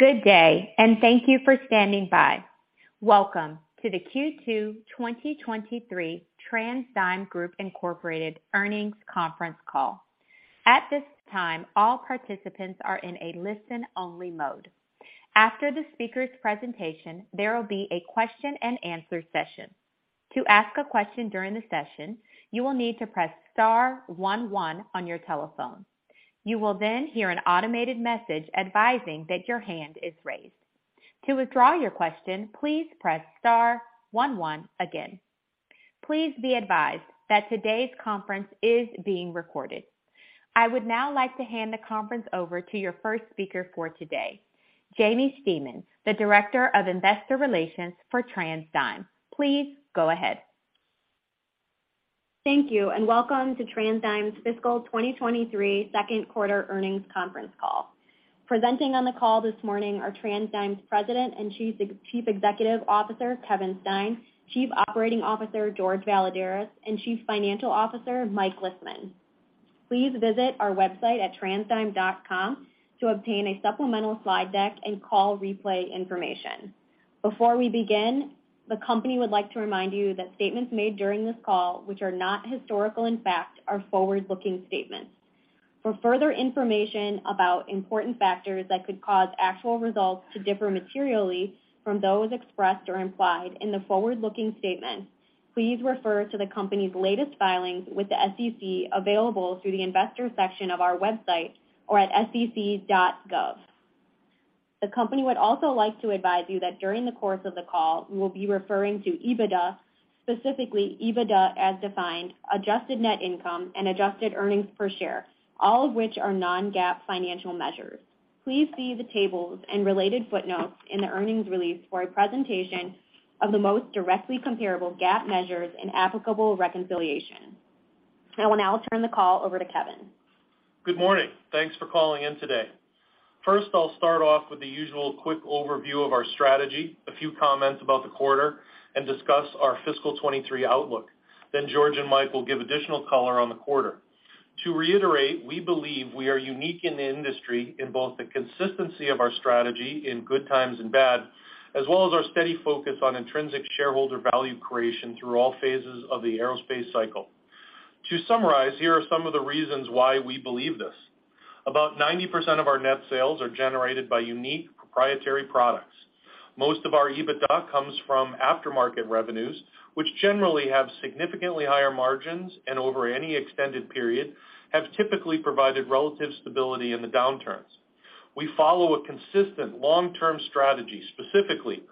Good day, and thank you for standing by. Welcome to the Q2 2023 TransDigm Group Incorporated earnings conference call. At this time, all participants are in a listen-only mode. After the speaker's presentation, there will be a question-and-answer session. To ask a question during the session, you will need to press star one one on your telephone. You will then hear an automated message advising that your hand is raised. To withdraw your question, please press star one one again. Please be advised that today's conference is being recorded. I would now like to hand the conference over to your first speaker for today, Jaimie Stemen, the Director of Investor Relations for TransDigm. Please go ahead. Thank you. Welcome to TransDigm's fiscal 2023 second quarter earnings conference call. Presenting on the call this morning are TransDigm's President and Chief Executive Officer, Kevin Stein; Chief Operating Officer, Jorge Valladares; and Chief Financial Officer, Mike Lisman. Please visit our website at transdigm.com to obtain a supplemental slide deck and call replay information. Before we begin, the company would like to remind you that statements made during this call which are not historical in fact are forward-looking statements. For further information about important factors that could cause actual results to differ materially from those expressed or implied in the forward-looking statement, please refer to the company's latest filings with the SEC available through the Investors section of our website or at sec.gov. The company would also like to advise you that during the course of the call, we will be referring to EBITDA, specifically EBITDA As Defined, adjusted net income, and adjusted earnings per share, all of which are non-GAAP financial measures. Please see the tables and related footnotes in the earnings release for a presentation of the most directly comparable GAAP measures and applicable reconciliation. I will now turn the call over to Kevin. Good morning. Thanks for calling in today. First, I'll start off with the usual quick overview of our strategy, a few comments about the quarter, and discuss our fiscal 2023 outlook. Jorge and Mike will give additional color on the quarter. To reiterate, we believe we are unique in the industry in both the consistency of our strategy in good times and bad, as well as our steady focus on intrinsic shareholder value creation through all phases of the aerospace cycle. To summarize, here are some of the reasons why we believe this. About 90% of our net sales are generated by unique proprietary products. Most of our EBITDA comes from aftermarket revenues, which generally have significantly higher margins, and over any extended period have typically provided relative stability in the downturns. We follow a consistent long-term strategy, specifically: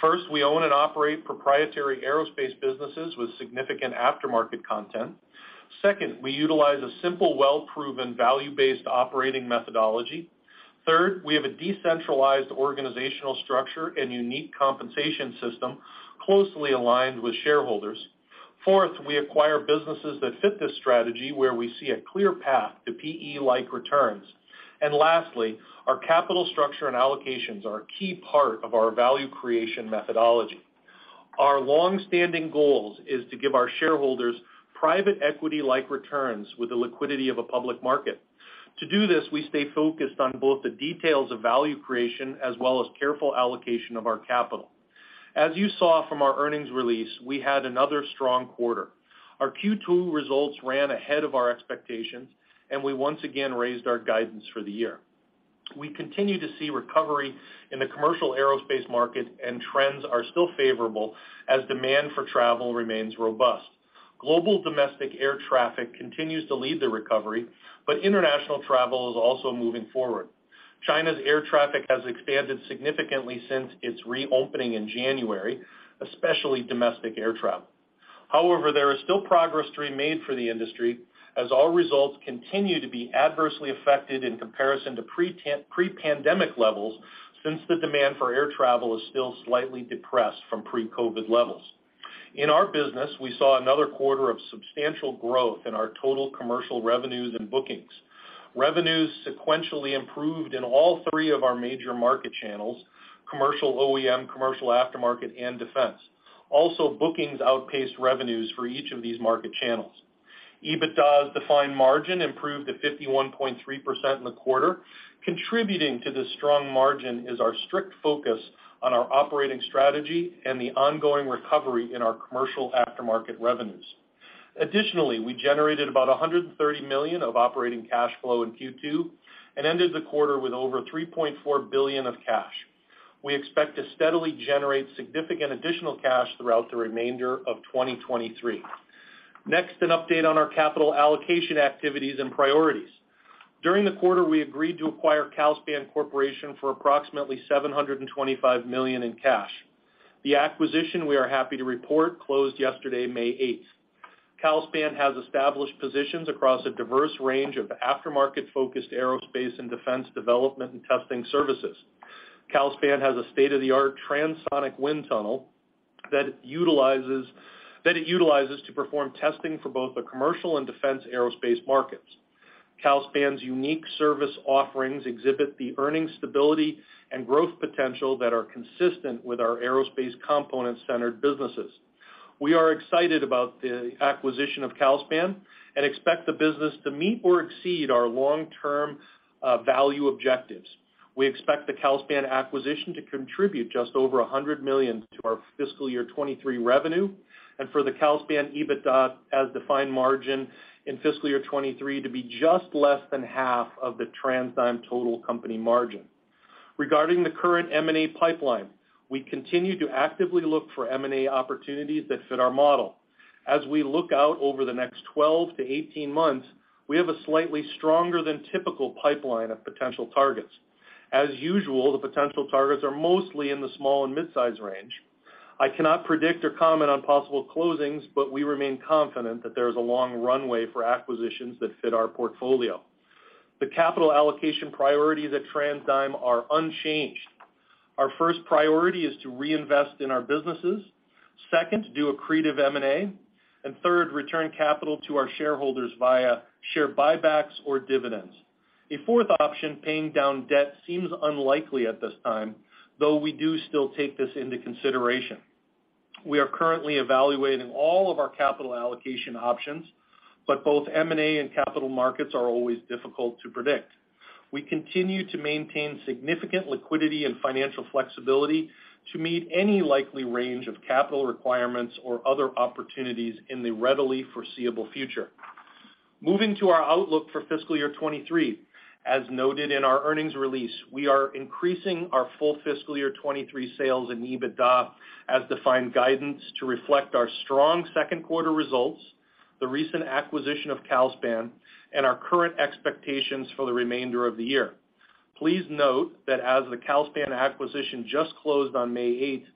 First, we own and operate proprietary aerospace businesses with significant aftermarket content. Second, we utilize a simple, well-proven, value-based operating methodology. Third, we have a decentralized organizational structure and unique compensation system closely aligned with shareholders. Fourth, we acquire businesses that fit this strategy where we see a clear path to PE-like returns. Lastly, our capital structure and allocations are a key part of our value creation methodology. Our long-standing goals is to give our shareholders private equity-like returns with the liquidity of a public market. To do this, we stay focused on both the details of value creation as well as careful allocation of our capital. As you saw from our earnings release, we had another strong quarter. Our Q2 results ran ahead of our expectations. We once again raised our guidance for the year. We continue to see recovery in the commercial aerospace market, trends are still favorable as demand for travel remains robust. Global domestic air traffic continues to lead the recovery, international travel is also moving forward. China's air traffic has expanded significantly since its reopening in January, especially domestic air travel. However, there is still progress to be made for the industry as all results continue to be adversely affected in comparison to pre-pandemic levels since the demand for air travel is still slightly depressed from pre-COVID levels. In our business, we saw another quarter of substantial growth in our total commercial revenues and bookings. Revenues sequentially improved in all three of our major market channels: commercial OEM, commercial aftermarket, and defense. Also, bookings outpaced revenues for each of these market channels. EBITDA As Defined margin improved to 51.3% in the quarter. Contributing to this strong margin is our strict focus on our operating strategy and the ongoing recovery in our commercial aftermarket revenues. We generated about $130 million of operating cash flow in Q2 and ended the quarter with over $3.4 billion of cash. We expect to steadily generate significant additional cash throughout the remainder of 2023. An update on our capital allocation activities and priorities. During the quarter, we agreed to acquire Calspan Corporation for approximately $725 million in cash. The acquisition, we are happy to report, closed yesterday, May 8th. Calspan has established positions across a diverse range of aftermarket-focused aerospace and defense development and testing services. Calspan has a state-of-the-art transonic wind tunnel that it utilizes to perform testing for both the commercial and defense aerospace markets. Calspan's unique service offerings exhibit the earnings stability and growth potential that are consistent with our aerospace component-centered businesses. We are excited about the acquisition of Calspan and expect the business to meet or exceed our long-term value objectives. We expect the Calspan acquisition to contribute just over $100 million to our FY 2023 revenue and for the Calspan EBITDA As Defined margin in FY 2023 to be just less than half of the TransDigm total company margin. Regarding the current M&A pipeline, we continue to actively look for M&A opportunities that fit our model. As we look out over the next 12 to 18 months, we have a slightly stronger than typical pipeline of potential targets. As usual, the potential targets are mostly in the small and mid-size range. I cannot predict or comment on possible closings, but we remain confident that there is a long runway for acquisitions that fit our portfolio. The capital allocation priorities at TransDigm are unchanged. Our first priority is to reinvest in our businesses. Second, do accretive M&A. Third, return capital to our shareholders via share buybacks or dividends. A fourth option, paying down debt, seems unlikely at this time, though we do still take this into consideration. We are currently evaluating all of our capital allocation options, both M&A and capital markets are always difficult to predict. We continue to maintain significant liquidity and financial flexibility to meet any likely range of capital requirements or other opportunities in the readily foreseeable future. Moving to our outlook for fiscal year 2023. As noted in our earnings release, we are increasing our full fiscal year 2023 sales and EBITDA As Defined guidance to reflect our strong second quarter results, the recent acquisition of Calspan, and our current expectations for the remainder of the year. Please note that as the Calspan acquisition just closed on May 8th,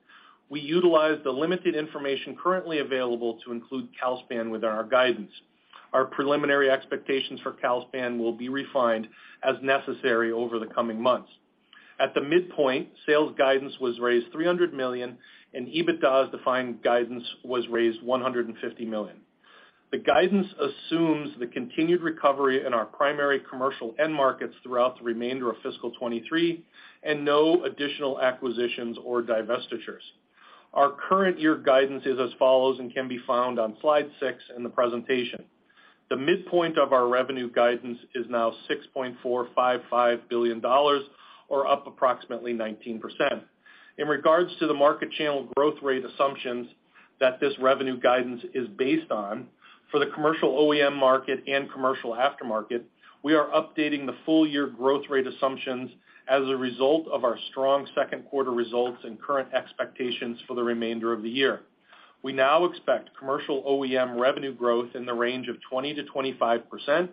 we utilized the limited information currently available to include Calspan within our guidance. Our preliminary expectations for Calspan will be refined as necessary over the coming months. At the midpoint, sales guidance was raised $300 million and EBITDA As Defined guidance was raised $150 million. The guidance assumes the continued recovery in our primary commercial end markets throughout the remainder of fiscal 2023 and no additional acquisitions or divestitures. Our current year guidance is as follows and can be found on slide six in the presentation. The midpoint of our revenue guidance is now $6.455 billion or up approximately 19%. In regards to the market channel growth rate assumptions that this revenue guidance is based on, for the commercial OEM market and commercial aftermarket, we are updating the full year growth rate assumptions as a result of our strong second quarter results and current expectations for the remainder of the year. We now expect commercial OEM revenue growth in the range of 20%-25%,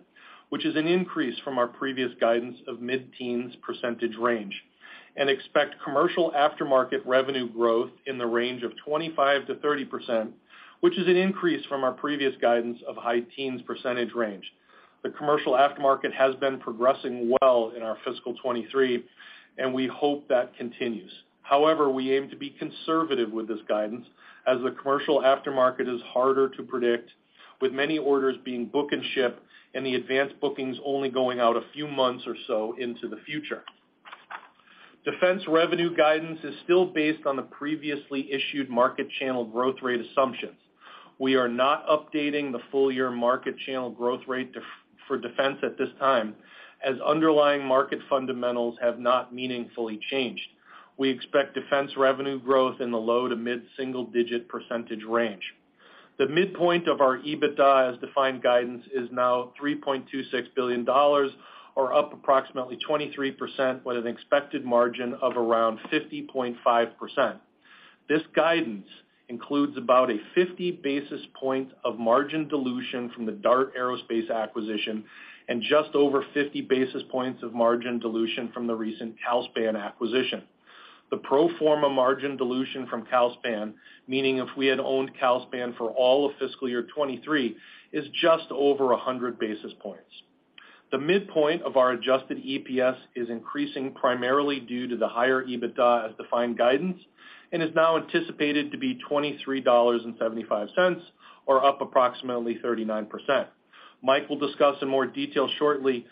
which is an increase from our previous guidance of mid-teens percentage range, and expect commercial aftermarket revenue growth in the range of 25%-30%, which is an increase from our previous guidance of high teens percentage range. The commercial aftermarket has been progressing well in our fiscal 2023, and we hope that continues. We aim to be conservative with this guidance as the commercial aftermarket is harder to predict, with many orders being book and ship and the advanced bookings only going out a few months or so into the future. Defense revenue guidance is still based on the previously issued market channel growth rate assumptions. We are not updating the full year market channel growth rate for defense at this time, as underlying market fundamentals have not meaningfully changed. We expect defense revenue growth in the low to mid-single digit percentage range. The midpoint of our EBITDA As Defined guidance is now $3.26 billion or up approximately 23% with an expected margin of around 50.5%. This guidance includes about a 50 basis point of margin dilution from the DART Aerospace acquisition and just over 50 basis points of margin dilution from the recent Calspan acquisition. The pro forma margin dilution from Calspan, meaning if we had owned Calspan for all of fiscal year 2023, is just over 100 basis points. The midpoint of our adjusted EPS is increasing primarily due to the higher EBITDA As Defined guidance and is now anticipated to be $23.75 or up approximately 39%. Mike will discuss in more detail shortly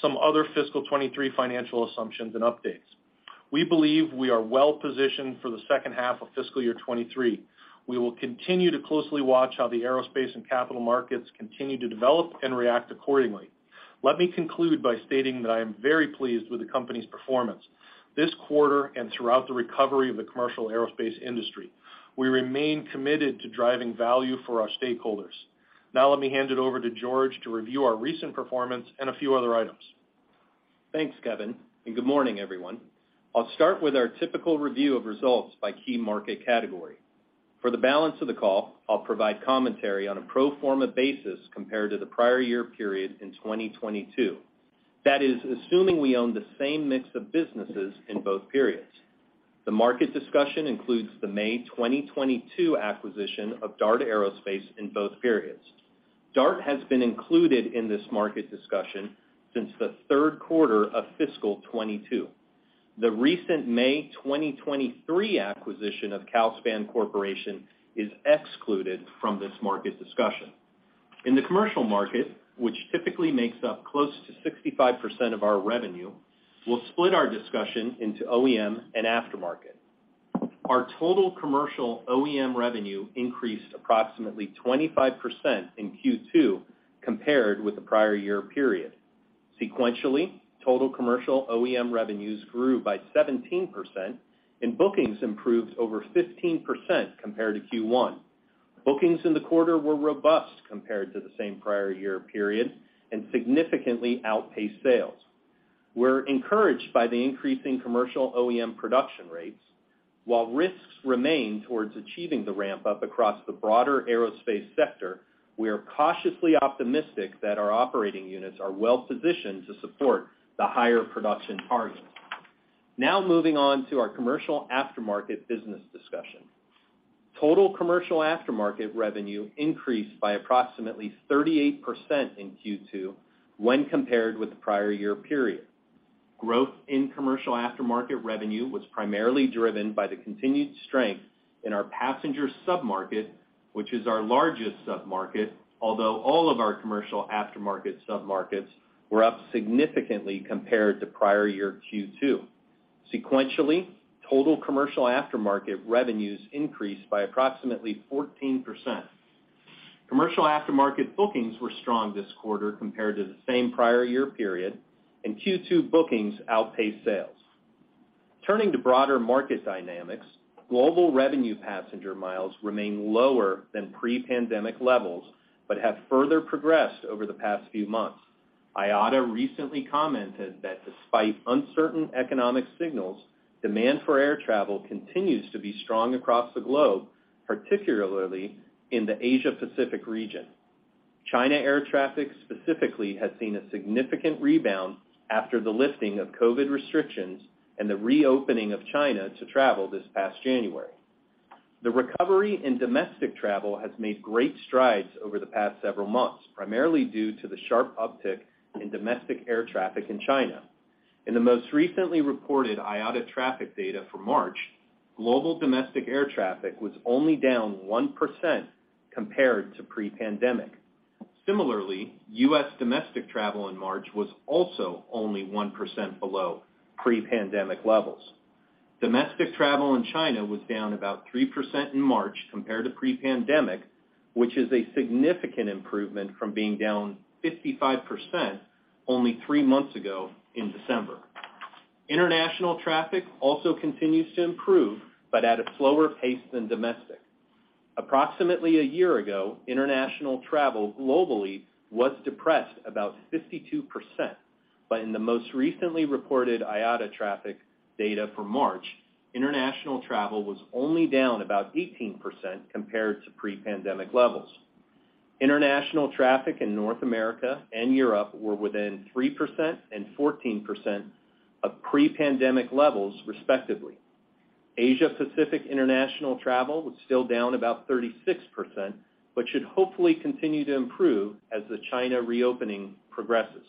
some other fiscal 23 financial assumptions and updates. We believe we are well positioned for the second half of fiscal year 2023. We will continue to closely watch how the aerospace and capital markets continue to develop and react accordingly. Let me conclude by stating that I am very pleased with the company's performance. This quarter and throughout the recovery of the commercial aerospace industry, we remain committed to driving value for our stakeholders. Let me hand it over to George to review our recent performance and a few other items. Thanks, Kevin. Good morning, everyone. I'll start with our typical review of results by key market category. For the balance of the call, I'll provide commentary on a pro forma basis compared to the prior year period in 2022. That is, assuming we own the same mix of businesses in both periods. The market discussion includes the May 2022 acquisition of DART Aerospace in both periods. DART has been included in this market discussion since the third quarter of fiscal 2022. The recent May 2023 acquisition of Calspan Corporation is excluded from this market discussion. In the commercial market, which typically makes up close to 65% of our revenue, we'll split our discussion into OEM and aftermarket. Our total commercial OEM revenue increased approximately 25% in Q2 compared with the prior year period. Sequentially, total commercial OEM revenues grew by 17%, and bookings improved over 15% compared to Q1. Bookings in the quarter were robust compared to the same prior year period and significantly outpaced sales. We're encouraged by the increase in commercial OEM production rates. While risks remain towards achieving the ramp-up across the broader aerospace sector, we are cautiously optimistic that our operating units are well-positioned to support the higher production targets. Moving on to our commercial aftermarket business discussion. Total commercial aftermarket revenue increased by approximately 38% in Q2 when compared with the prior year period. Growth in commercial aftermarket revenue was primarily driven by the continued strength in our passenger sub-market, which is our largest sub-market, although all of our commercial aftermarket sub-markets were up significantly compared to prior year Q2. Sequentially, total commercial aftermarket revenues increased by approximately 14%. Commercial aftermarket bookings were strong this quarter compared to the same prior year period, and Q2 bookings outpaced sales. Turning to broader market dynamics, global revenue passenger miles remain lower than pre-pandemic levels, but have further progressed over the past few months. IATA recently commented that despite uncertain economic signals, demand for air travel continues to be strong across the globe, particularly in the Asia Pacific region. China air traffic specifically has seen a significant rebound after the lifting of COVID restrictions and the reopening of China to travel this past January. The recovery in domestic travel has made great strides over the past several months, primarily due to the sharp uptick in domestic air traffic in China. In the most recently reported IATA traffic data for March, global domestic air traffic was only down 1% compared to pre-pandemic. Similarly, U.S. domestic travel in March was also only 1% below pre-pandemic levels. Domestic travel in China was down about 3% in March compared to pre-pandemic, which is a significant improvement from being down 55% only three months ago in December. International traffic also continues to improve, but at a slower pace than domestic. Approximately a year ago, international travel globally was depressed about 52%, but in the most recently reported IATA traffic data for March, international travel was only down about 18% compared to pre-pandemic levels. International traffic in North America and Europe were within 3% and 14% of pre-pandemic levels, respectively. Asia Pacific international travel was still down about 36%, but should hopefully continue to improve as the China reopening progresses.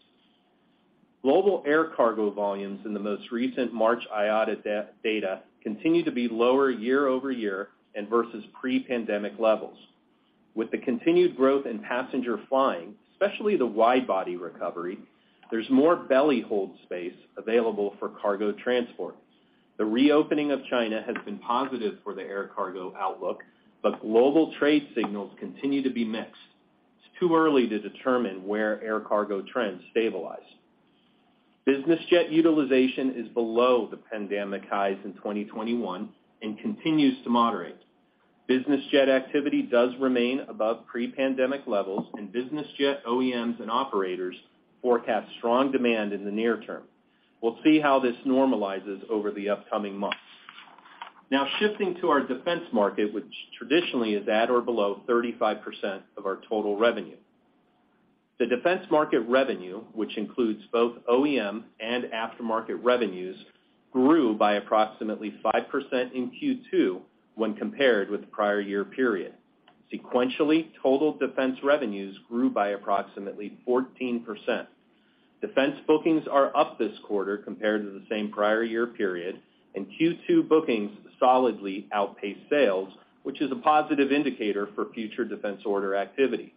Global air cargo volumes in the most recent March IATA data continue to be lower year-over-year and versus pre-pandemic levels. With the continued growth in passenger flying, especially the wide-body recovery, there's more belly hold space available for cargo transport. The reopening of China has been positive for the air cargo outlook, global trade signals continue to be mixed. It's too early to determine where air cargo trends stabilize. Business jet utilization is below the pandemic highs in 2021 and continues to moderate. Business jet activity does remain above pre-pandemic levels, business jet OEMs and operators forecast strong demand in the near term. We'll see how this normalizes over the upcoming months. Shifting to our defense market, which traditionally is at or below 35% of our total revenue. The defense market revenue, which includes both OEM and aftermarket revenues, grew by approximately 5% in Q2 when compared with the prior year period. Sequentially, total defense revenues grew by approximately 14%. Defense bookings are up this quarter compared to the same prior year period, and Q2 bookings solidly outpaced sales, which is a positive indicator for future defense order activity.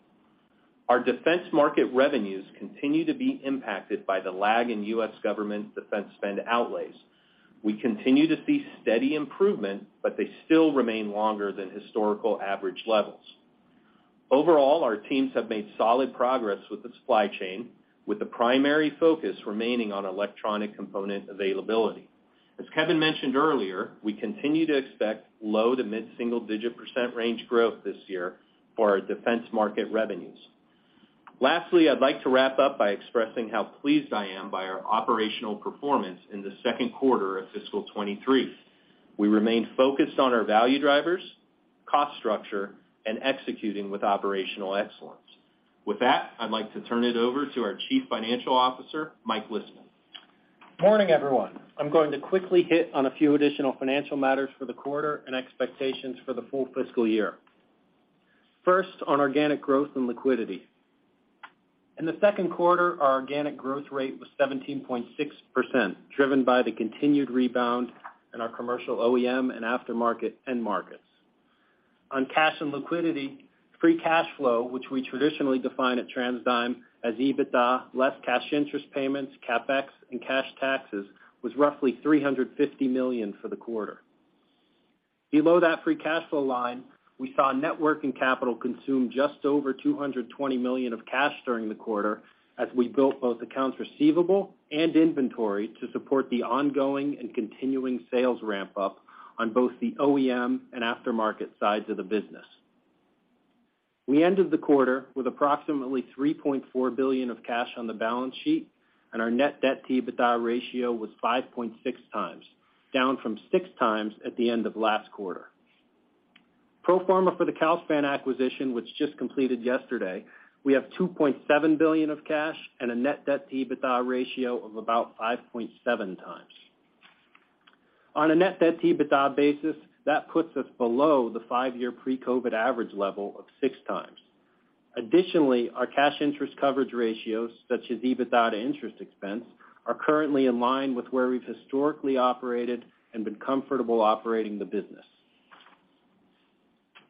Our defense market revenues continue to be impacted by the lag in U.S. government defense spend outlays. We continue to see steady improvement, but they still remain longer than historical average levels. Overall, our teams have made solid progress with the supply chain, with the primary focus remaining on electronic component availability. As Kevin mentioned earlier, we continue to expect low to mid-single-digit percent range growth this year for our defense market revenues. Lastly, I'd like to wrap up by expressing how pleased I am by our operational performance in the second quarter of fiscal 2023. We remain focused on our value drivers, cost structure, and executing with operational excellence. With that, I'd like to turn it over to our Chief Financial Officer, Mike Lisman. Morning, everyone. I'm going to quickly hit on a few additional financial matters for the quarter and expectations for the full fiscal year. First, on organic growth and liquidity. In the second quarter, our organic growth rate was 17.6%, driven by the continued rebound in our commercial OEM and aftermarket end markets. On cash and liquidity, free cash flow, which we traditionally define at TransDigm as EBITDA less cash interest payments, CapEx, and cash taxes, was roughly $350 million for the quarter. Below that free cash flow line, we saw networking capital consume just over $220 million of cash during the quarter as we built both accounts receivable and inventory to support the ongoing and continuing sales ramp up on both the OEM and aftermarket sides of the business. We ended the quarter with approximately $3.4 billion of cash on the balance sheet, and our net debt-to-EBITDA ratio was 5.6x, down from 6x at the end of last quarter. Pro forma for the Calspan acquisition, which just completed yesterday, we have $2.7 billion of cash and a net debt-to-EBITDA ratio of about 5.7x. On a net debt-to-EBITDA basis, that puts us below the five-year pre-COVID average level of 6x. Additionally, our cash interest coverage ratios, such as EBITDA to interest expense, are currently in line with where we've historically operated and been comfortable operating the business.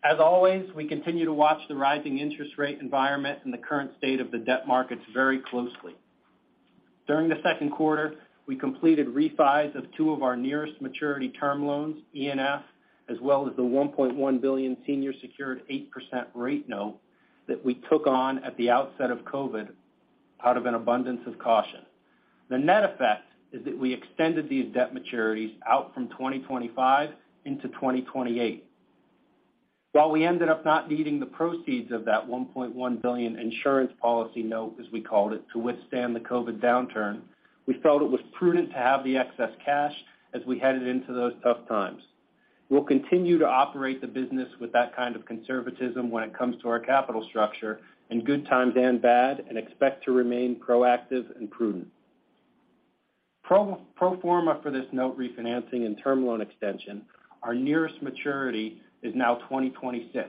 As always, we continue to watch the rising interest rate environment and the current state of the debt markets very closely. During the second quarter, we completed refis of two of our nearest maturity term loans, ENF, as well as the $1.1 billion senior secured 8% rate note that we took on at the outset of COVID out of an abundance of caution. The net effect is that we extended these debt maturities out from 2025 into 2028. While we ended up not needing the proceeds of that $1.1 billion insurance policy note, as we called it, to withstand the COVID downturn, we felt it was prudent to have the excess cash as we headed into those tough times. We'll continue to operate the business with that kind of conservatism when it comes to our capital structure in good times and bad, and expect to remain proactive and prudent. Pro forma for this note refinancing and term loan extension, our nearest maturity is now 2026.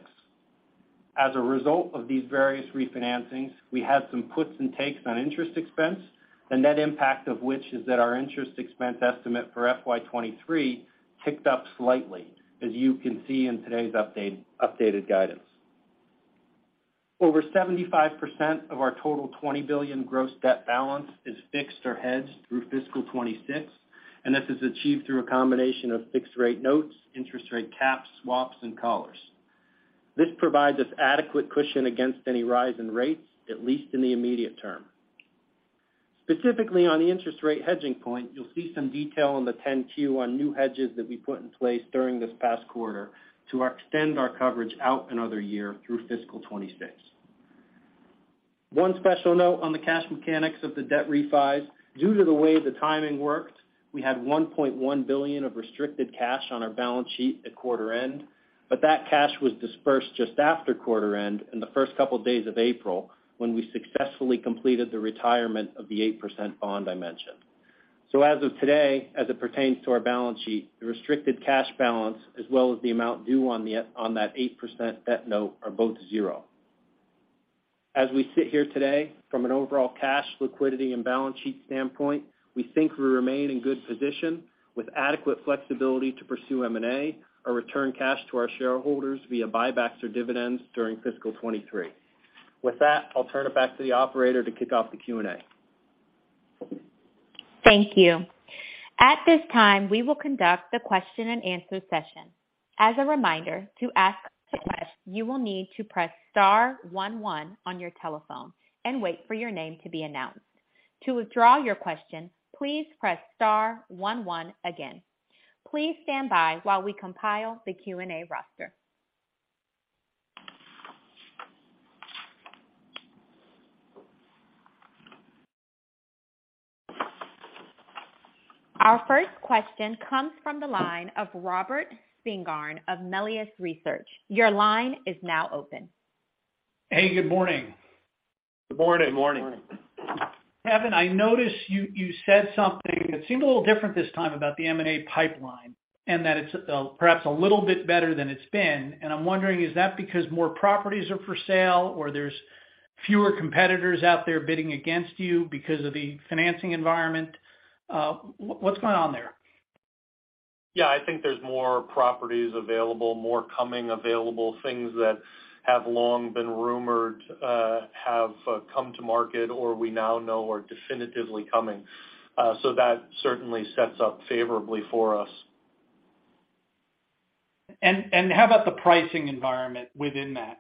As a result of these various refinancings, we had some puts and takes on interest expense, the net impact of which is that our interest expense estimate for FY 2023 ticked up slightly, as you can see in today's update, updated guidance. Over 75% of our total $20 billion gross debt balance is fixed or hedged through fiscal 2026, and this is achieved through a combination of fixed rate notes, interest rate caps, swaps, and collars. This provides us adequate cushion against any rise in rates, at least in the immediate term. Specifically, on the interest rate hedging point, you'll see some detail in the 10-Q on new hedges that we put in place during this past quarter to extend our coverage out another year through fiscal 2026. One special note on the cash mechanics of the debt refi. Due to the way the timing worked, we had $1.1 billion of restricted cash on our balance sheet at quarter end, but that cash was dispersed just after quarter end in the first couple days of April, when we successfully completed the retirement of the 8% bond I mentioned. As of today, as it pertains to our balance sheet, the restricted cash balance as well as the amount due on that 8% debt note are both zero. As we sit here today, from an overall cash liquidity and balance sheet standpoint, we think we remain in good position with adequate flexibility to pursue M&A or return cash to our shareholders via buybacks or dividends during fiscal 2023. I'll turn it back to the operator to kick off the Q&A. Thank you. At this time, we will conduct the question-and-answer session. As a reminder, to ask a question, you will need to press star one one on your telephone and wait for your name to be announced. To withdraw your question, please press star one one again. Please stand by while we compile the Q&A roster. Our first question comes from the line of Robert Spingarn of Melius Research. Your line is now open. Hey, good morning. Good morning. Good morning. Kevin, I noticed you said something that seemed a little different this time about the M&A pipeline, and that it's perhaps a little bit better than it's been. I'm wondering, is that because more properties are for sale or there's fewer competitors out there bidding against you because of the financing environment? What's going on there? Yeah. I think there's more properties available, more coming available. Things that have long been rumored, have come to market or we now know are definitively coming. That certainly sets up favorably for us. How about the pricing environment within that?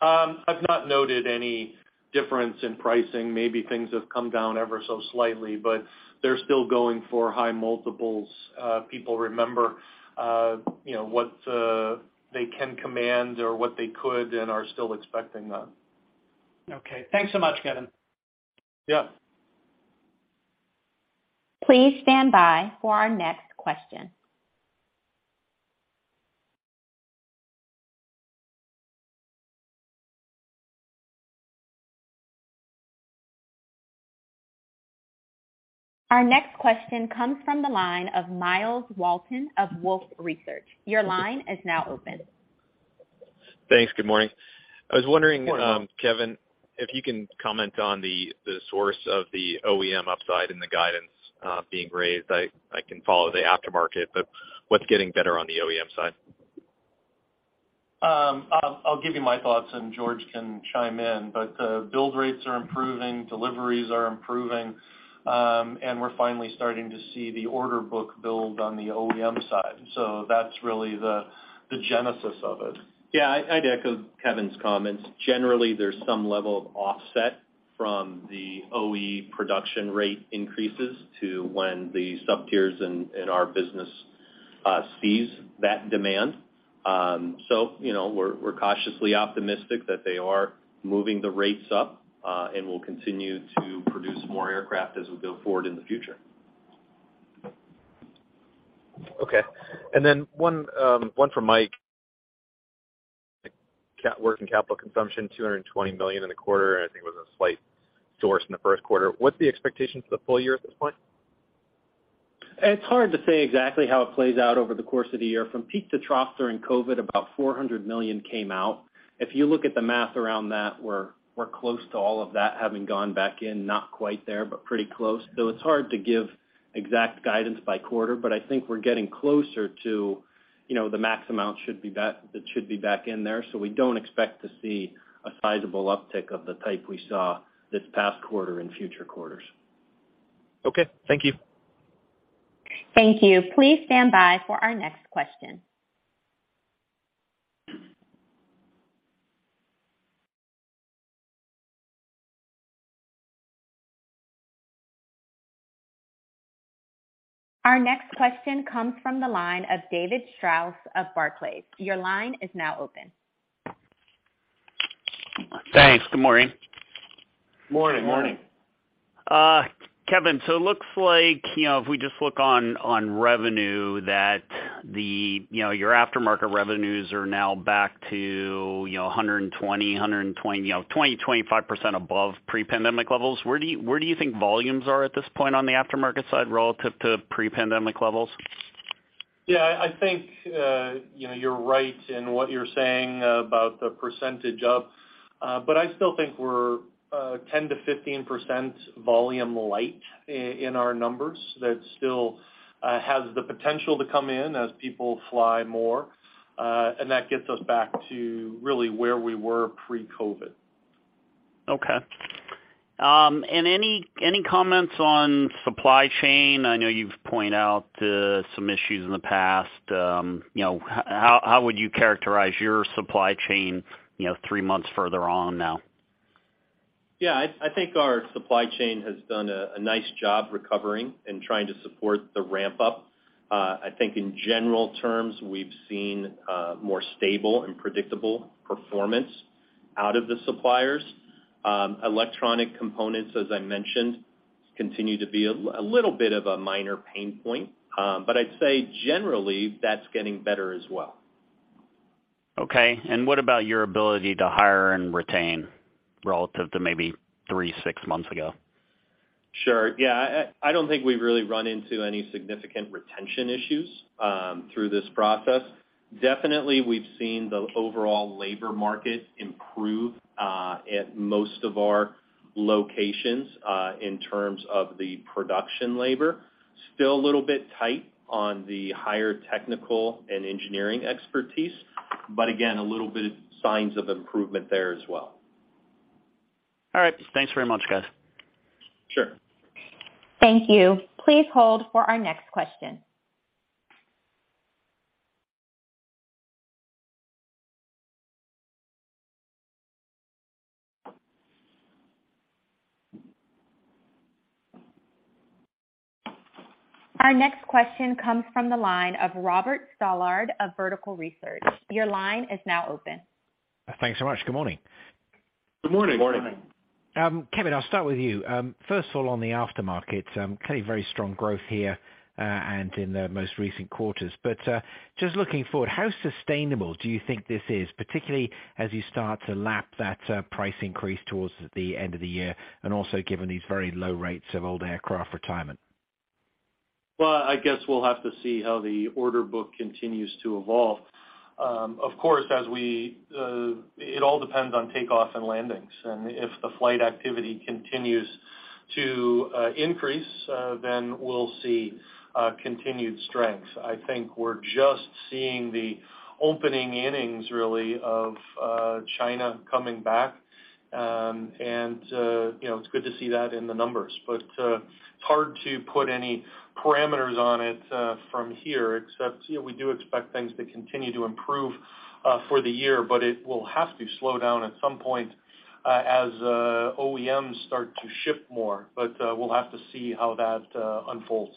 I've not noted any difference in pricing. Maybe things have come down ever so slightly, but they're still going for high multiples. People remember, you know, what they can command or what they could and are still expecting that. Okay. Thanks so much, Kevin. Yep. Please stand by for our next question. Our next question comes from the line of Myles Walton of Wolfe Research. Your line is now open. Thanks. Good morning. I was wondering. Good morning. Kevin, if you can comment on the source of the OEM upside in the guidance, being raised. I can follow the aftermarket, but what's getting better on the OEM side? I'll give you my thoughts and Jorge can chime in, but build rates are improving, deliveries are improving, and we're finally starting to see the order book build on the OEM side. That's really the genesis of it. Yeah, I'd echo Kevin's comments. Generally, there's some level of offset from the OE production rate increases to when the sub tiers in our business sees that demand. You know, we're cautiously optimistic that they are moving the rates up and will continue to produce more aircraft as we go forward in the future. Okay. One, one for Mike. Working capital consumption, $220 million in the quarter, and I think it was a slight source in the first quarter. What's the expectation for the full year at this point? It's hard to say exactly how it plays out over the course of the year. From peak to trough during COVID, about $400 million came out. If you look at the math around that, we're close to all of that having gone back in. Not quite there, but pretty close. It's hard to give exact guidance by quarter, but I think we're getting closer to, you know, the max amount should be back that should be back in there. We don't expect to see a sizable uptick of the type we saw this past quarter in future quarters. Okay. Thank you. Thank you. Please stand by for our next question. Our next question comes from the line of David Strauss of Barclays. Your line is now open. Thanks. Good morning. Morning. Morning. Kevin, it looks like, you know, if we just look on revenue, that, you know, your aftermarket revenues are now back to, you know, 120, you know, 20% to 25% above pre-pandemic levels. Where do you think volumes are at this point on the aftermarket side relative to pre-pandemic levels? Yeah, I think, you know, you're right in what you're saying about the percentage up. I still think we're 10%-15% volume light in our numbers that still has the potential to come in as people fly more. That gets us back to really where we were pre-COVID. Okay. Any comments on supply chain? I know you've pointed out, some issues in the past. You know, how would you characterize your supply chain, you know, three months further on now? Yeah. I think our supply chain has done a nice job recovering and trying to support the ramp-up. I think in general terms, we've seen more stable and predictable performance out of the suppliers. Electronic components, as I mentioned, continue to be a little bit of a minor pain point. I'd say generally, that's getting better as well. Okay. What about your ability to hire and retain relative to maybe three, six months ago? Sure. Yeah, I don't think we've really run into any significant retention issues, through this process. Definitely, we've seen the overall labor market improve, at most of our locations, in terms of the production labor. Still a little bit tight on the higher technical and engineering expertise, but again, a little bit of signs of improvement there as well. All right. Thanks very much, guys. Sure. Thank you. Please hold for our next question. Our next question comes from the line of Robert Stallard of Vertical Research. Your line is now open. Thanks so much. Good morning. Good morning. Morning. Kevin, I'll start with you. First of all, on the aftermarket, clearly very strong growth here, and in the most recent quarters. Just looking forward, how sustainable do you think this is, particularly as you start to lap that price increase towards the end of the year and also given these very low rates of old aircraft retirement? Well, I guess we'll have to see how the order book continues to evolve. Of course, as we. It all depends on takeoff and landings. If the flight activity continues to increase, then we'll see continued strength. I think we're just seeing the opening innings really of China coming back. You know, it's good to see that in the numbers, but it's hard to put any parameters on it from here, except, you know, we do expect things to continue to improve for the year. It will have to slow down at some point, as OEMs start to ship more. We'll have to see how that unfolds.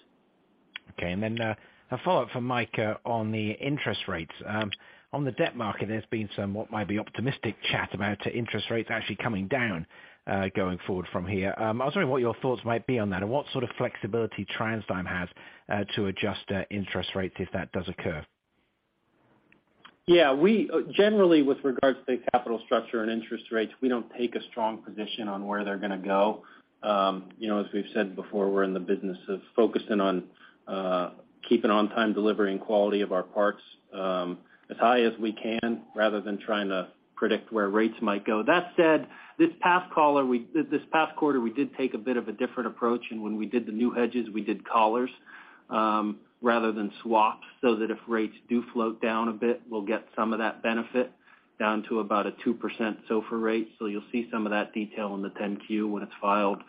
Okay. Then, a follow-up for Mike on the interest rates. On the debt market, there's been some what might be optimistic chat about interest rates actually coming down, going forward from here. I was wondering what your thoughts might be on that and what sort of flexibility TransDigm has, to adjust, interest rates if that does occur. We generally with regards to capital structure and interest rates, we don't take a strong position on where they're gonna go. You know, as we've said before, we're in the business of focusing on keeping on time delivery and quality of our parts as high as we can rather than trying to predict where rates might go. That said, this past quarter, we did take a bit of a different approach, and when we did the new hedges, we did collars rather than swaps, so that if rates do float down a bit, we'll get some of that benefit down to about a 2% SOFR rate. You'll see some of that detail in the 10-Q when it's filed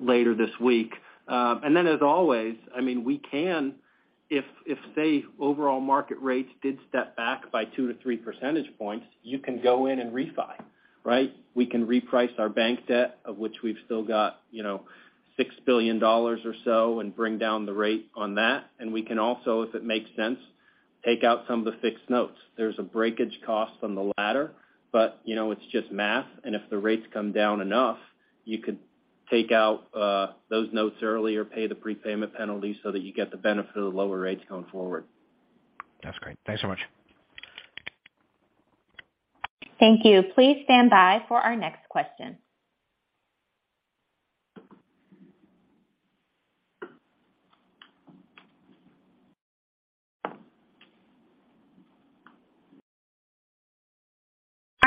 later this week. As always, I mean, we can say overall market rates did step back by 2 percentage points-3 percentage points, you can go in and refi, right? We can reprice our bank debt, of which we've still got, you know, $6 billion or so, and bring down the rate on that. We can also, if it makes sense, take out some of the fixed notes. There's a breakage cost on the latter, but, you know, it's just math. If the rates come down enough, you could take out those notes early or pay the prepayment penalty so that you get the benefit of the lower rates going forward. That's great. Thanks so much. Thank you. Please stand by for our next question.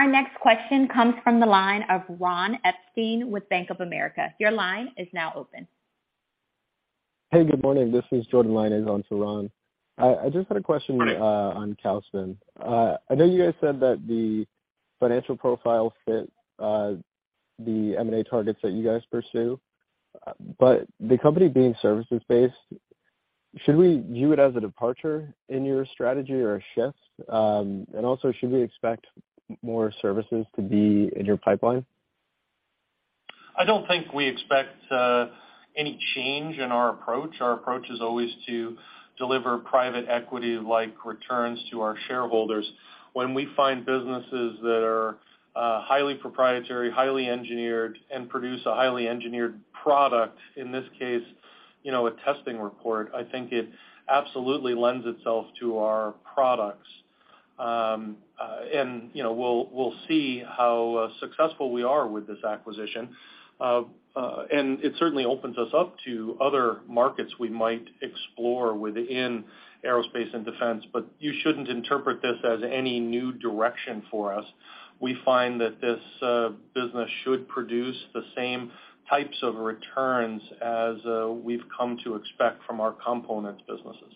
Our next question comes from the line of Ron Epstein with Bank of America. Your line is now open. Hey, good morning. This is Jordan [Levine] on to Ron. I just had a question on Calspan. I know you guys said that the financial profile fit the M&A targets that you guys pursue, but the company being services based, should we view it as a departure in your strategy or a shift? Also should we expect more services to be in your pipeline? I don't think we expect any change in our approach. Our approach is always to deliver private equity-like returns to our shareholders. When we find businesses that are highly proprietary, highly engineered, and produce a highly engineered product, in this case, you know, a testing report, I think it absolutely lends itself to our products. You know, we'll see how successful we are with this acquisition. It certainly opens us up to other markets we might explore within aerospace and defense. You shouldn't interpret this as any new direction for us. We find that this business should produce the same types of returns as we've come to expect from our components businesses.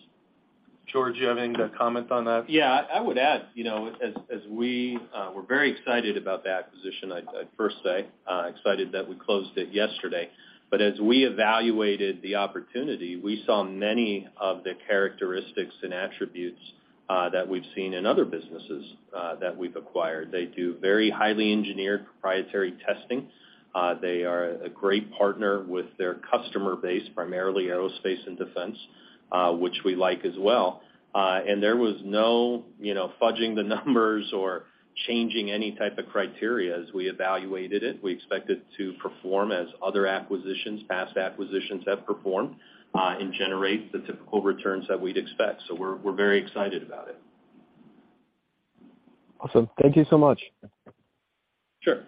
Jorge, you have anything to comment on that? Yeah. I would add, you know, as we're very excited about the acquisition, I'd first say, excited that we closed it yesterday. As we evaluated the opportunity, we saw many of the characteristics and attributes that we've seen in other businesses that we've acquired. They do very highly engineered proprietary testing. They are a great partner with their customer base, primarily Aerospace and Defense, which we like as well. There was no, you know, fudging the numbers or changing any type of criteria as we evaluated it. We expect it to perform as other acquisitions, past acquisitions have performed, and generate the typical returns that we'd expect. We're very excited about it. Awesome. Thank you so much. Sure.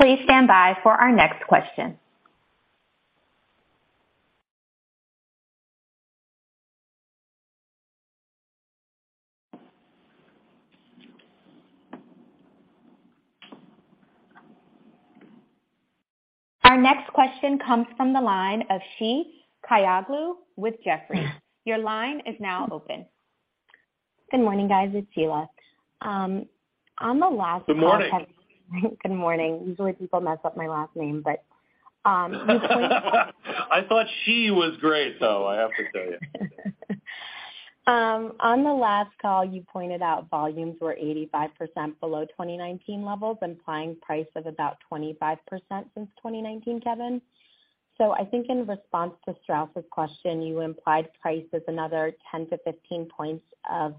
Please stand by for our next question. Our next question comes from the line of Sheila Kahyaoglu with Jefferies. Your line is now open. Good morning, guys. It's Sheila. On the last call... Good morning. Good morning. Usually people mess up my last name, but, I thought she was great, though, I have to tell you. On the last call, you pointed out volumes were 85% below 2019 levels, implying price of about 25% since 2019, Kevin. I think in response to Strauss's question, you implied price is another 10 points-15 points of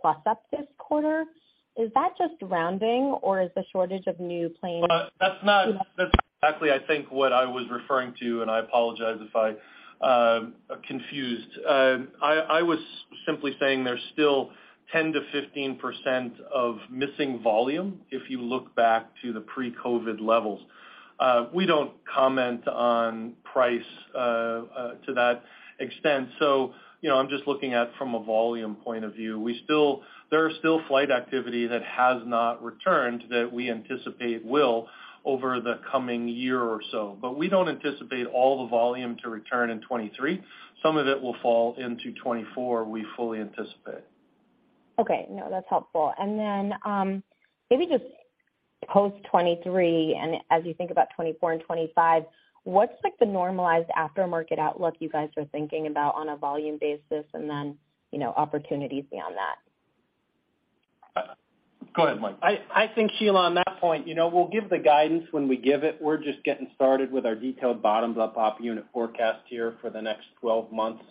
plus up this quarter. Is that just rounding or is the shortage of new planes? Well, that's not, that's exactly, I think, what I was referring to, and I apologize if I confused. I was simply saying there's still 10%-15% of missing volume if you look back to the pre-COVID levels. We don't comment on price to that extent. You know, I'm just looking at from a volume point of view. There are still flight activity that has not returned that we anticipate will over the coming year or so. We don't anticipate all the volume to return in 2023. Some of it will fall into 2024, we fully anticipate. Okay. No, that's helpful. Maybe just post 2023, and as you think about 2024 and 2025, what's like the normalized aftermarket outlook you guys are thinking about on a volume basis and then, you know, opportunities beyond that? Go ahead, Mike. I think, Sheila, on that point, you know, we'll give the guidance when we give it. We're just getting started with our detailed bottom up op unit forecast here for the next 12 months,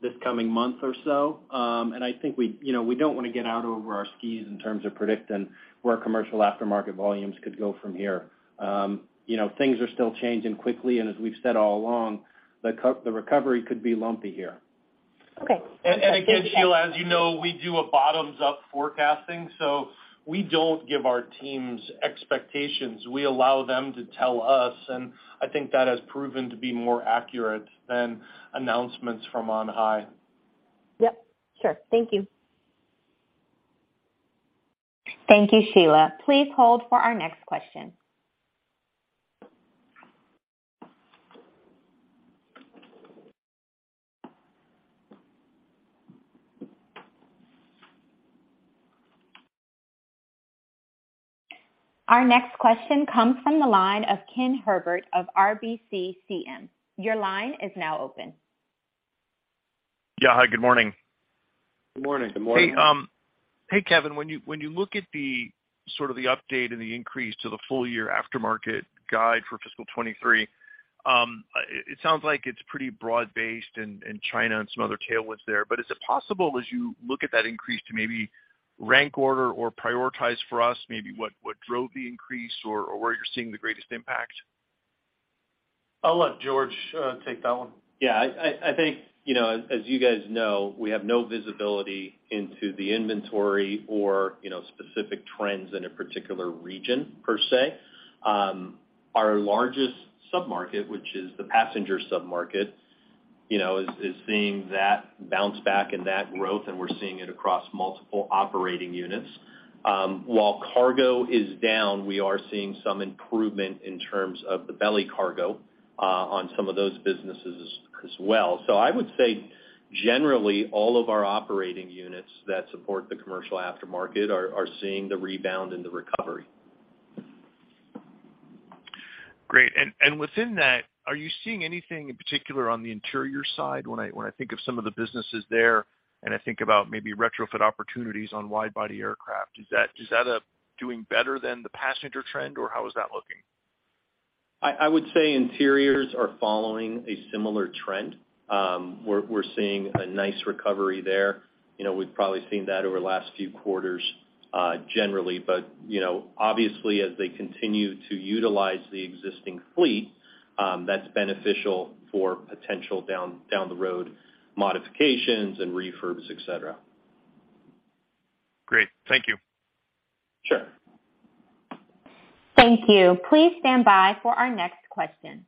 this coming month or so. I think we, you know, we don't wanna get out over our skis in terms of predicting where commercial aftermarket volumes could go from here. You know, things are still changing quickly, and as we've said all along, the recovery could be lumpy here. Again, Sheila, as you know, we do a bottoms-up forecasting, so we don't give our teams expectations. We allow them to tell us, and I think that has proven to be more accurate than announcements from on high. Yep. Sure. Thank you. Thank you, Sheila. Please hold for our next question. Our next question comes from the line of Ken Herbert of RBC CM. Your line is now open. Yeah. Hi, good morning. Good morning. Good morning. Hey, hey, Kevin. When you look at the sort of the update and the increase to the full-year aftermarket guide for fiscal 2023, it sounds like it's pretty broad-based in China and some other tailwinds there. Is it possible as you look at that increase to maybe rank order or prioritize for us maybe what drove the increase or where you're seeing the greatest impact? I'll let Jorge take that one. Yeah. I think, you know, as you guys know, we have no visibility into the inventory or, you know, specific trends in a particular region per se. Our largest sub-market, which is the passenger sub-market, you know, is seeing that bounce back and that growth, and we're seeing it across multiple operating units. While cargo is down, we are seeing some improvement in terms of the belly cargo on some of those businesses as well. I would say generally all of our operating units that support the commercial aftermarket are seeing the rebound and the recovery. Great. Within that, are you seeing anything in particular on the interior side? When I think of some of the businesses there, and I think about maybe retrofit opportunities on wide-body aircraft, is that doing better than the passenger trend or how is that looking? I would say interiors are following a similar trend. We're seeing a nice recovery there. You know, we've probably seen that over the last few quarters, generally, but you know, obviously as they continue to utilize the existing fleet, that's beneficial for potential down the road modifications and refurbs, et cetera. Great. Thank you. Sure. Thank you. Please stand by for our next question.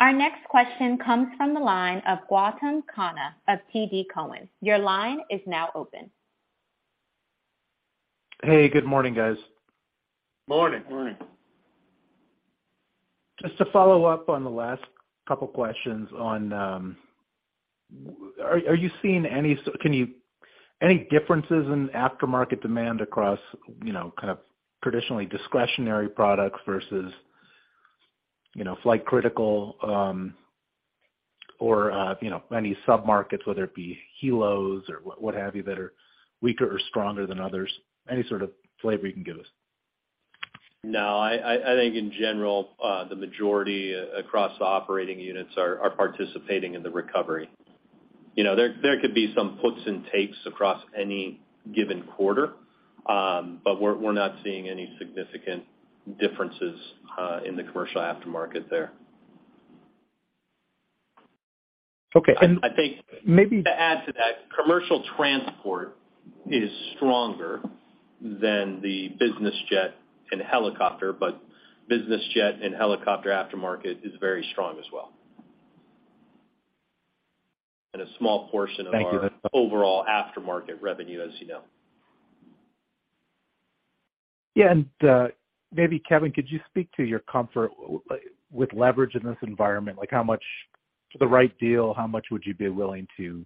Our next question comes from the line of Gautam Khanna of TD Cowen. Your line is now open. Hey, good morning, guys. Morning. Morning. Just to follow up on the last couple questions on, are you seeing any differences in aftermarket demand across, you know, kind of traditionally discretionary products versus, you know, flight critical, or, you know, any sub-markets, whether it be helos or what have you, that are weaker or stronger than others? Any sort of flavor you can give us. No, I think in general, the majority across operating units are participating in the recovery. You know, there could be some puts and takes across any given quarter, but we're not seeing any significant differences in the commercial aftermarket there. Okay. I think- Maybe- To add to that, commercial transport is stronger than the business jet and helicopter, but business jet and helicopter aftermarket is very strong as well. A small portion of our-. Thank you.... overall aftermarket revenue, as you know. Yeah. Maybe Kevin, could you speak to your comfort with leverage in this environment? Like how much for the right deal, how much would you be willing to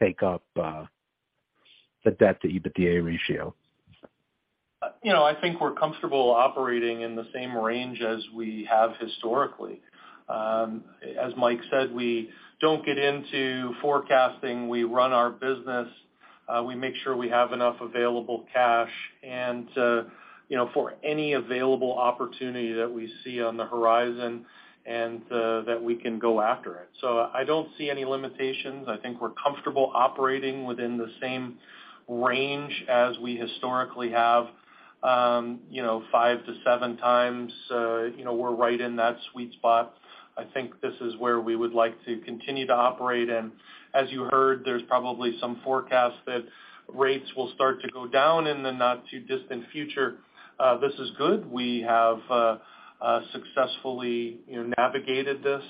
take up the debt-to-EBITDA ratio? You know, I think we're comfortable operating in the same range as we have historically. As Mike said, we don't get into forecasting. We run our business. We make sure we have enough available cash and, you know, for any available opportunity that we see on the horizon and that we can go after it. I don't see any limitations. I think we're comfortable operating within the same range as we historically have, you know, 5x to 7x. You know, we're right in that sweet spot. I think this is where we would like to continue to operate. As you heard, there's probably some forecast that rates will start to go down in the not too distant future. This is good. We have successfully, you know, navigated this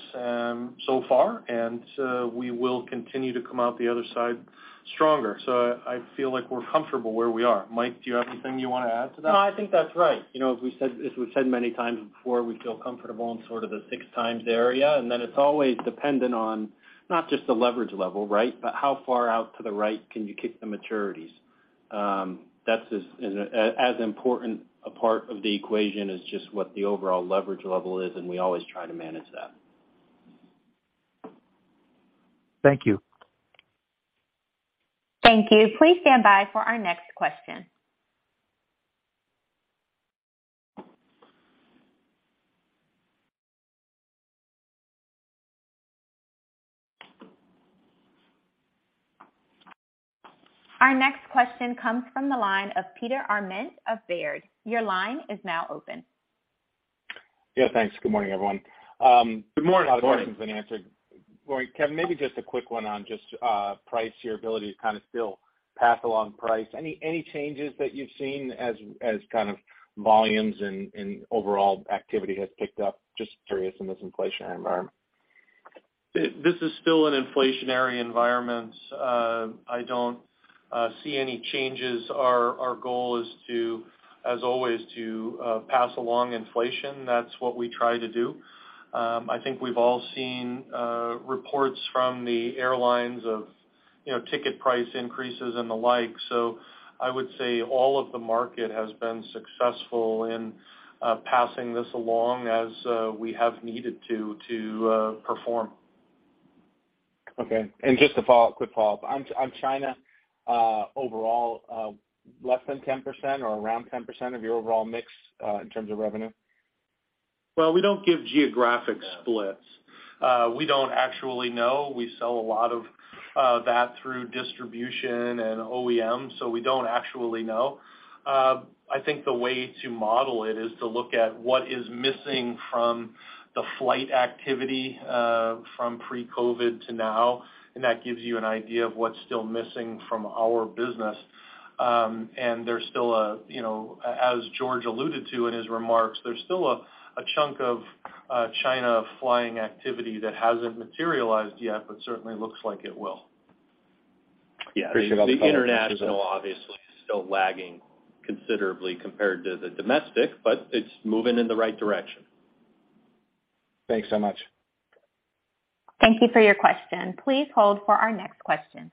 so far, and we will continue to come out the other side stronger. I feel like we're comfortable where we are. Mike, do you have anything you wanna add to that? I think that's right. You know, as we've said many times before, we feel comfortable in sort of the 6x area. It's always dependent on not just the leverage level, right? How far out to the right can you kick the maturities? That's as important a part of the equation as just what the overall leverage level is. We always try to manage that. Thank you. Thank you. Please stand by for our next question. Our next question comes from the line of Peter Arment of Baird. Your line is now open. Yeah, thanks. Good morning, everyone. Good morning. A lot of questions been answered. Kevin, maybe just a quick one on just price, your ability to kind of still pass along price. Any changes that you've seen as kind of volumes and overall activity has picked up, just curious in this inflationary environment? This is still an inflationary environment. I don't see any changes. Our goal is to, as always, to pass along inflation. That's what we try to do. I think we've all seen reports from the airlines of, you know, ticket price increases and the like. I would say all of the market has been successful in passing this along as we have needed to perform. Okay. just a follow-up, quick follow-up. On China, overall, less than 10% or around 10% of your overall mix, in terms of revenue? We don't give geographic splits. We don't actually know. We sell a lot of that through distribution and OEM. We don't actually know. I think the way to model it is to look at what is missing from the flight activity from pre-COVID to now, and that gives you an idea of what's still missing from our business. There's still a, you know, as Jorge alluded to in his remarks, there's still a chunk of China flying activity that hasn't materialized yet, but certainly looks like it will. Yeah. Appreciate all the color. The international obviously is still lagging considerably compared to the domestic, but it's moving in the right direction. Thanks so much. Thank you for your question. Please hold for our next question.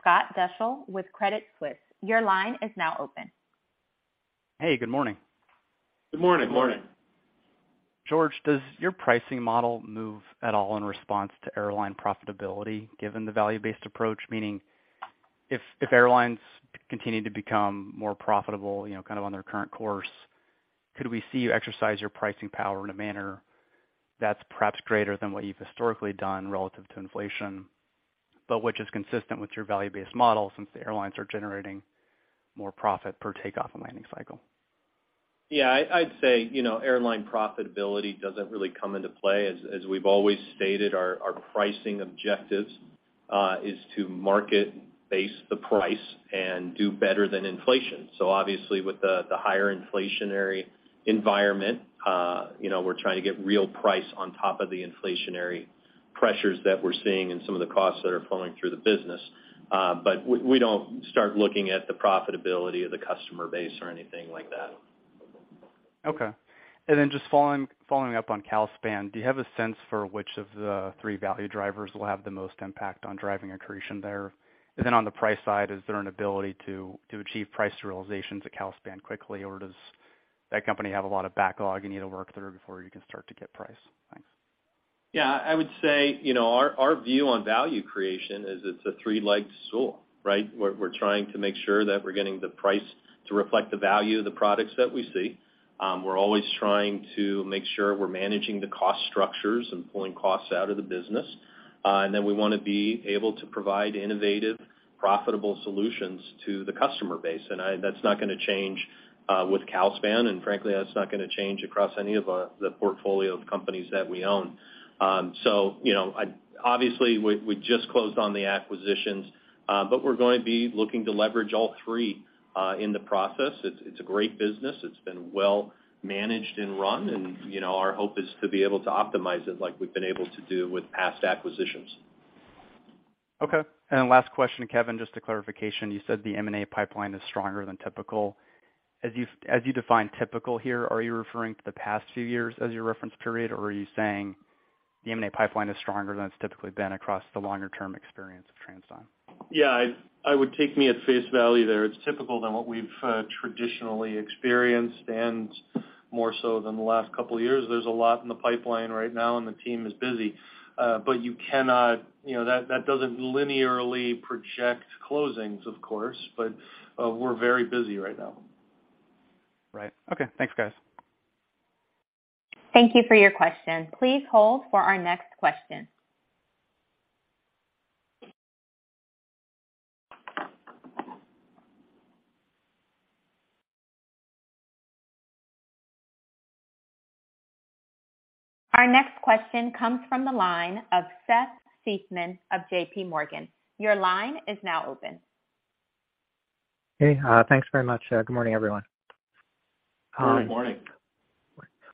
Scott Deuschle with Credit Suisse, your line is now open. Hey, good morning. Good morning. Morning. Jorge, does your pricing model move at all in response to airline profitability, given the value-based approach? Meaning if airlines continue to become more profitable, you know, kind of on their current course, could we see you exercise your pricing power in a manner that's perhaps greater than what you've historically done relative to inflation, but which is consistent with your value-based model since the airlines are generating more profit per takeoff and landing cycle? Yeah. I'd say, you know, airline profitability doesn't really come into play. As we've always stated, our pricing objectives is to market base the price and do better than inflation. Obviously with the higher inflationary environment, you know, we're trying to get real price on top of the inflationary pressures that we're seeing and some of the costs that are flowing through the business. We don't start looking at the profitability of the customer base or anything like that. Okay. Just following up on Calspan, do you have a sense for which of the three value drivers will have the most impact on driving accretion there? On the price side, is there an ability to achieve price realizations at Calspan quickly, or does that company have a lot of backlog you need to work through before you can start to get price? Thanks. Yeah. I would say, you know, our view on value creation is it's a three-legged stool, right? We're trying to make sure that we're getting the price to reflect the value of the products that we see. We're always trying to make sure we're managing the cost structures and pulling costs out of the business. Then we wanna be able to provide innovative, profitable solutions to the customer base. That's not gonna change with Calspan, frankly, that's not gonna change across any of the portfolio of companies that we own. You know, obviously we just closed on the acquisitions, we're going to be looking to leverage all three in the process. It's a great business. It's been well managed and run and, you know, our hope is to be able to optimize it like we've been able to do with past acquisitions. Okay. Last question, Kevin. Just a clarification. You said the M&A pipeline is stronger than typical. As you define typical here, are you referring to the past few years as your reference period, or are you saying the M&A pipeline is stronger than it's typically been across the longer-term experience of TransDigm? Yeah. I would take me at face value there. It's typical than what we've traditionally experienced and more so than the last couple of years. There's a lot in the pipeline right now, and the team is busy. You know, that doesn't linearly project closings, of course, but we're very busy right now. Right. Okay. Thanks, guys. Thank you for your question. Please hold for our next question. Our next question comes from the line of Seth Seifman of JPMorgan. Your line is now open. Hey, thanks very much. Good morning, everyone. Good morning.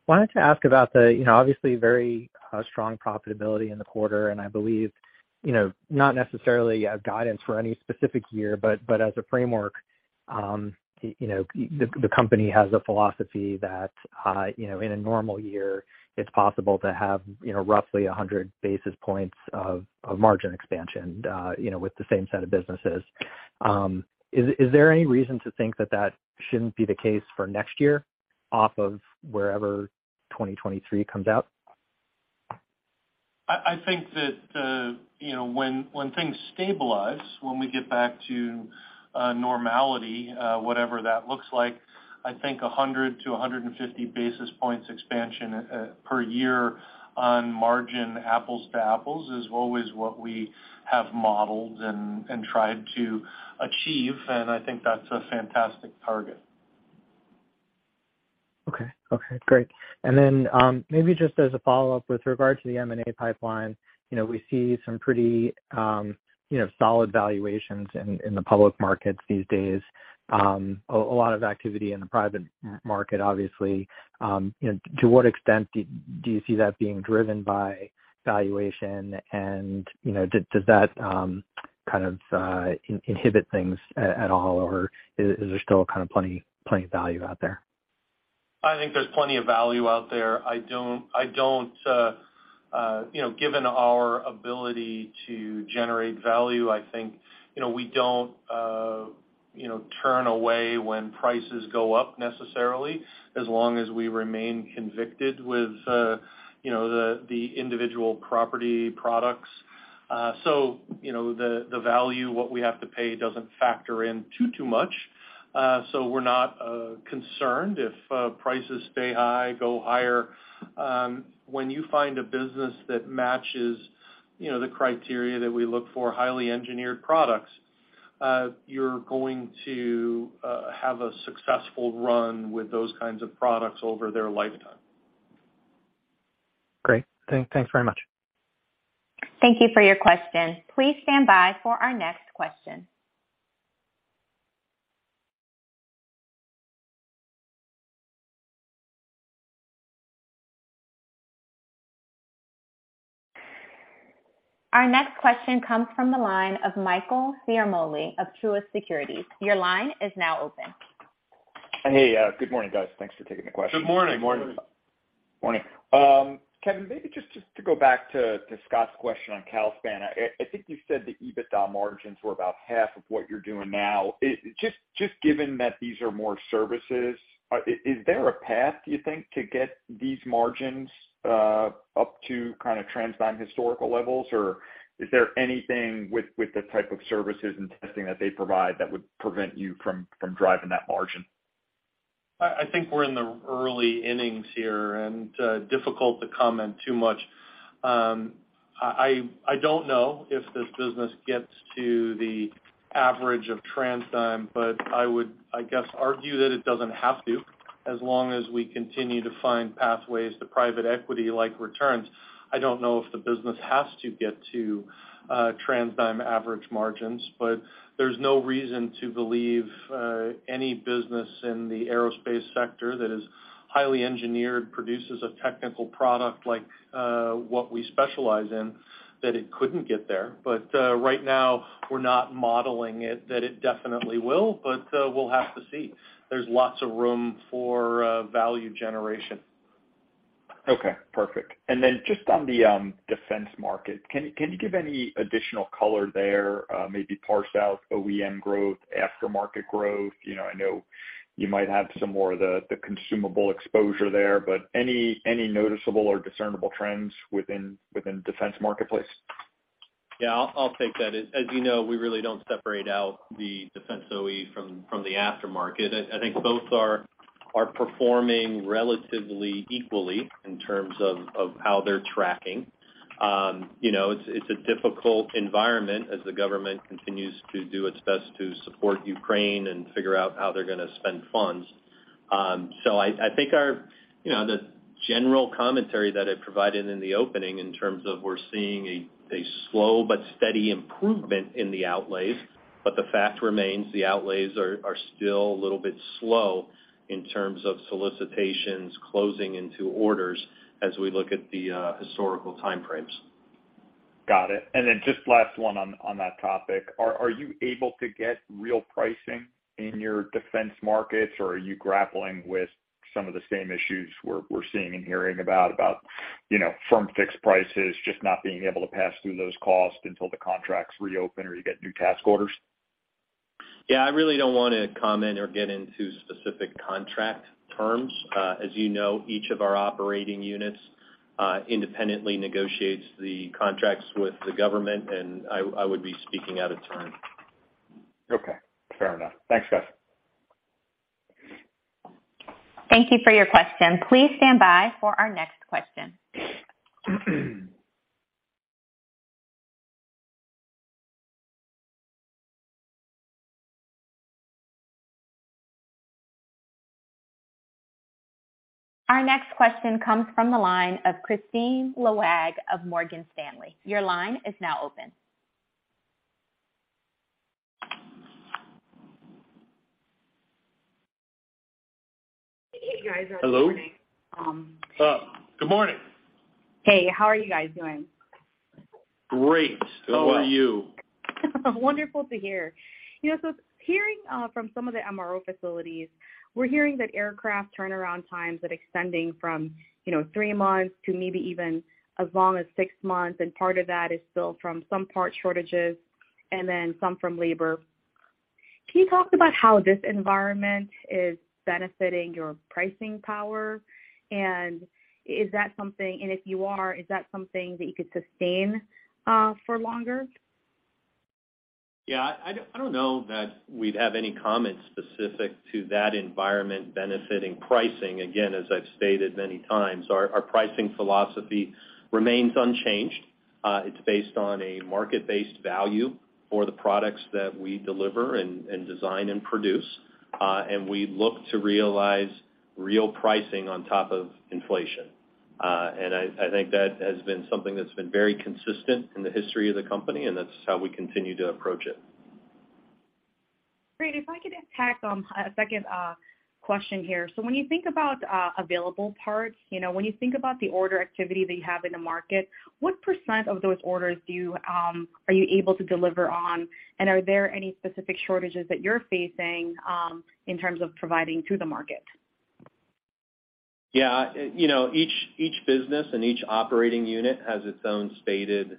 Wanted to ask about the, you know, obviously very strong profitability in the quarter, and I believe, you know, not necessarily a guidance for any specific year, but as a framework, you know, the company has a philosophy that, you know, in a normal year, it's possible to have, you know, roughly 100 basis points of margin expansion, you know, with the same set of businesses. Is there any reason to think that that shouldn't be the case for next year? Off of wherever 2023 comes out? I think that, you know, when things stabilize, when we get back to normality, whatever that looks like, I think 100 basis points to 150 basis points expansion per year on margin, apples to apples, is always what we have modeled and tried to achieve, and I think that's a fantastic target. Okay. Okay, great. Maybe just as a follow-up with regard to the M&A pipeline, you know, we see some pretty, you know, solid valuations in the public markets these days. A lot of activity in the private market, obviously. You know, to what extent do you see that being driven by valuation and, you know, does that, kind of, inhibit things at all, or is there still kind of plenty of value out there? I think there's plenty of value out there. I don't, you know, given our ability to generate value, I think, you know, we don't, you know, turn away when prices go up necessarily, as long as we remain convicted with, you know, the individual property products. So, you know, the value, what we have to pay doesn't factor in too much. So we're not concerned if prices stay high, go higher. When you find a business that matches, you know, the criteria that we look for, highly engineered products, you're going to have a successful run with those kinds of products over their lifetime. Great. Thanks very much. Thank you for your question. Please stand by for our next question. Our next question comes from the line of Michael Ciarmoli of Truist Securities. Your line is now open. Hey, good morning, guys. Thanks for taking the question. Good morning. Morning. Morning. Kevin, maybe just to go back to Scott's question on Calspan. I think you said the EBITDA margins were about half of what you're doing now. Just given that these are more services, is there a path do you think to get these margins up to kind of TransDigm historical levels? Is there anything with the type of services and testing that they provide that would prevent you from driving that margin? I think we're in the early innings here and difficult to comment too much. I don't know if this business gets to the average of TransDigm, but I would, I guess, argue that it doesn't have to, as long as we continue to find pathways to private equity-like returns. I don't know if the business has to get to TransDigm average margins, but there's no reason to believe any business in the aerospace sector that is highly engineered, produces a technical product like what we specialize in, that it couldn't get there. Right now we're not modeling it that it definitely will, but we'll have to see. There's lots of room for value generation. Okay. Perfect. Just on the defense market, can you give any additional color there, maybe parse out OEM growth, aftermarket growth? You know, I know you might have some more of the consumable exposure there, but any noticeable or discernible trends within defense marketplace? Yeah, I'll take that. As you know, we really don't separate out the defense OE from the aftermarket. I think both are performing relatively equally in terms of how they're tracking. You know, it's a difficult environment as the government continues to do its best to support Ukraine and figure out how they're gonna spend funds. I think, you know, the general commentary that I provided in the opening in terms of we're seeing a slow but steady improvement in the outlays, but the fact remains the outlays are still a little bit slow in terms of solicitations closing into orders as we look at the historical time frames. Got it. Just last one on that topic. Are you able to get real pricing in your defense markets, or are you grappling with some of the same issues we're seeing and hearing about, you know, firm fixed prices just not being able to pass through those costs until the contracts reopen or you get new task orders? I really don't wanna comment or get into specific contract terms. As you know, each of our operating units, independently negotiates the contracts with the government, and I would be speaking out of turn. Okay. Fair enough. Thanks, guys. Thank you for your question. Please stand by for our next question. Our next question comes from the line of Kristine Liwag of Morgan Stanley. Your line is now open. Hey, you guys. Good morning. Hello? Um. Good morning. Hey, how are you guys doing? Great. How are you? Wonderful to hear. You know, hearing from some of the MRO facilities, we're hearing that aircraft turnaround times are extending from, you know, three months to maybe even as long as six months, and part of that is still from some part shortages and then some from labor. Can you talk about how this environment is benefiting your pricing power? Is that something that you could sustain for longer? I don't know that we'd have any comments specific to that environment benefiting pricing. Again, as I've stated many times, our pricing philosophy remains unchanged. It's based on a market-based value for the products that we deliver and design and produce. We look to realize real pricing on top of inflation. I think that has been something that's been very consistent in the history of the company, and that's how we continue to approach it. Great. If I could just tack on a second question here. When you think about, available parts, you know, when you think about the order activity that you have in the market, what % of those orders do you, are you able to deliver on? And are there any specific shortages that you're facing, in terms of providing to the market? Yeah. You know, each business and each operating unit has its own stated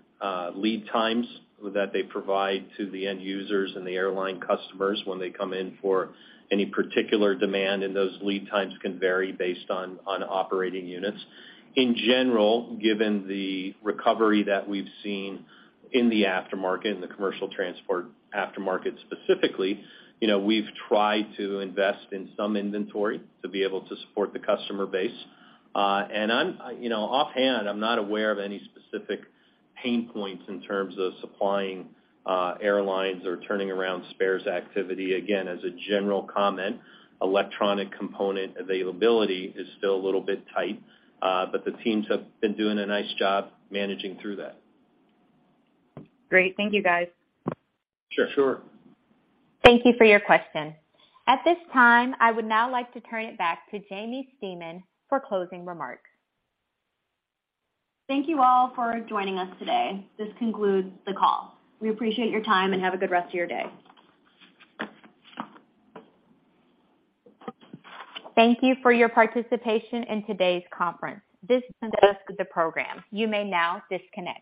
lead times that they provide to the end users and the airline customers when they come in for any particular demand, and those lead times can vary based on operating units. In general, given the recovery that we've seen in the aftermarket, in the commercial transport aftermarket specifically, you know, we've tried to invest in some inventory to be able to support the customer base. I'm, you know, offhand, I'm not aware of any specific pain points in terms of supplying airlines or turning around spares activity. Again, as a general comment, electronic component availability is still a little bit tight, but the teams have been doing a nice job managing through that. Great. Thank you, guys. Sure. Thank you for your question. At this time, I would now like to turn it back to Jaimie Stemen for closing remarks. Thank you all for joining us today. This concludes the call. We appreciate your time, and have a good rest of your day. Thank you for your participation in today's conference. This concludes the program. You may now disconnect.